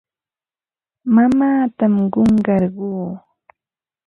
Mamaatam qunqarquu.